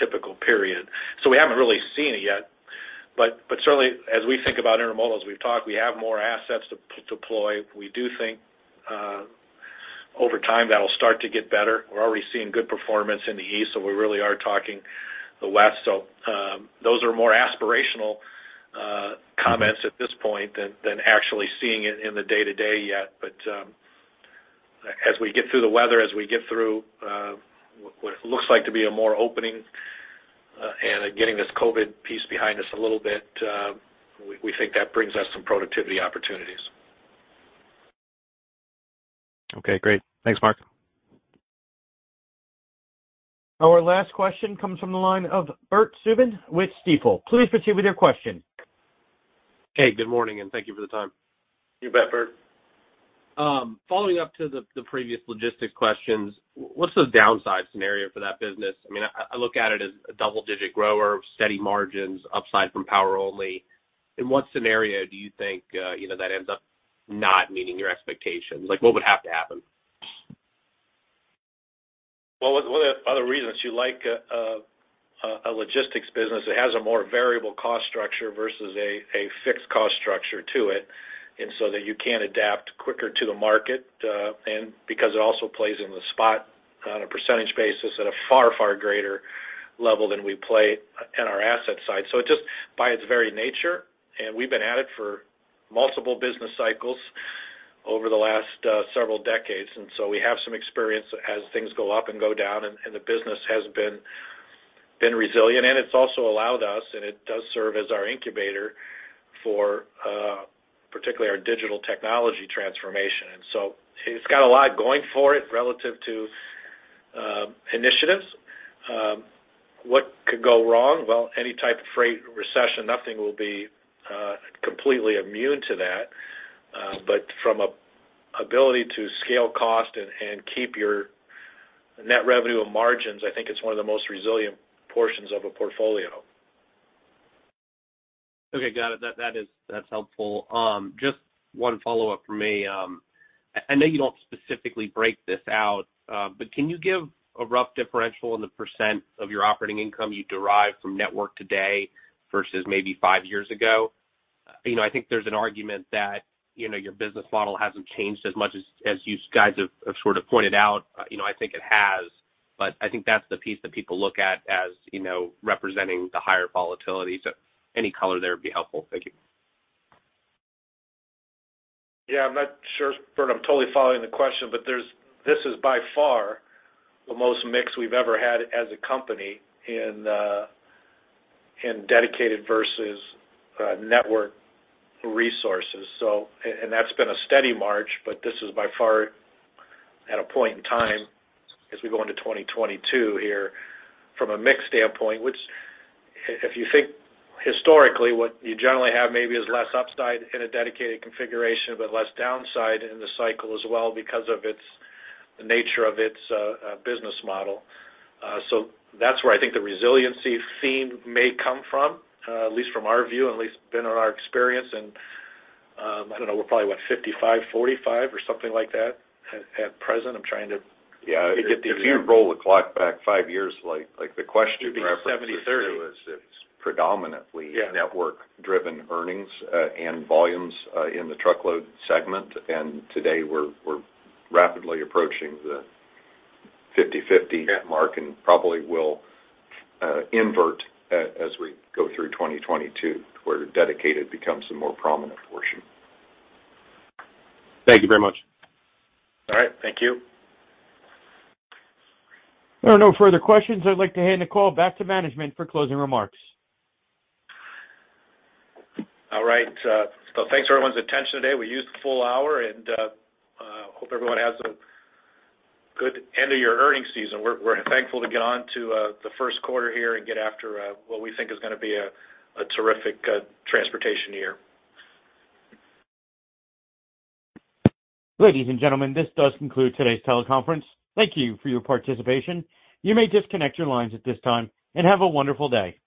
C: typical period. We haven't really seen it yet. Certainly, as we think about intermodal, we've talked we have more assets to deploy. We do think over time, that'll start to get better. We're already seeing good performance in the east, so we really are talking about the west. Those are more aspirational comments at this point than actually seeing it in the day-to-day yet. As we get through the weather, what it looks like to be a reopening and getting this COVID piece behind us a little bit, we think that brings us some productivity opportunities.
P: Okay, great. Thanks, Mark.
A: Our last question comes from the line of Bert Subin with Stifel. Please proceed with your question.
Q: Hey, good morning, and thank you for the time.
C: You bet, Bert.
Q: Following up to the previous logistics questions, what's the downside scenario for that business? I mean, I look at it as a double-digit grower of steady margins upside from Power Only. In what scenario do you think, you know, that ends up not meeting your expectations? Like, what would have to happen?
C: Well, one of the other reasons you like a logistics business, it has a more variable cost structure versus a fixed cost structure to it, and so that you can adapt quicker to the market, and because it also plays in the spot on a percentage basis at a far greater level than we play in our asset side. Just by its very nature, and we've been at it for multiple business cycles over the last several decades, and so we have some experience as things go up and go down, and the business has been resilient. It's also allowed us, and it does serve as our incubator for particularly our digital technology transformation. It's got a lot going for it relative to initiatives. What could go wrong? Well, any type of freight recession, nothing will be completely immune to that. From an ability to scale cost and keep your net revenue and margins, I think it's one of the most resilient portions of a portfolio.
Q: Okay, got it. That's helpful. Just one follow-up from me. I know you don't specifically break this out, but can you give a rough differential on the percent of your operating income you derive from network today versus maybe five years ago? You know, I think there's an argument that, you know, your business model hasn't changed as much as you guys have sort of pointed out. You know, I think it has, but I think that's the piece that people look at as, you know, representing the higher volatility. Any color there would be helpful. Thank you.
C: Yeah. I'm not sure, Bert, if I'm totally following the question, but there's. This is by far the most mix we've ever had as a company in dedicated versus network resources. That's been a steady march, but this is by far at a point in time as we go into 2022 here from a mix standpoint, which, if you think historically, what you generally have maybe is less upside in a dedicated configuration, but less downside in the cycle as well because of the nature of its business model. So that's where I think the resiliency theme may come from, at least from our view, in our experience. I don't know, we're probably what, 55-45 or something like that at present. I'm trying to-
E: Yeah. If you roll the clock back five years, like the question-
C: 70/30.
E: It's predominantly-
C: Yeah.
E: Network-driven earnings and volumes in the truckload segment. Today we're rapidly approaching the 50/50-
C: Yeah.
E: Mark, and probably will invert as we go through 2022, where dedicated becomes the more prominent portion.
Q: Thank you very much.
C: All right. Thank you.
A: There are no further questions. I'd like to hand the call back to management for closing remarks.
C: All right. Thanks for everyone's attention today. We used the full hour and hope everyone has a good end of your earnings season. We're thankful to get on to the first quarter here and get after what we think is gonna be a terrific transportation year.
A: Ladies and gentlemen, this does conclude today's teleconference. Thank you for your participation. You may disconnect your lines at this time, and have a wonderful day.